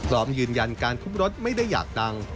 พร้อมยืนยันการทุบรถไม่ได้อยากดัง